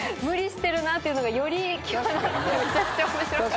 っていうのがより際立ってめちゃくちゃ面白かった。